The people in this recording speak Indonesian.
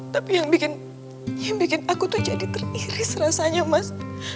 tapi yang bikin aku tuh jadi teriris rasanya mas